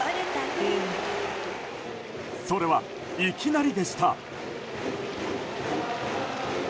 それは、いきなりでした。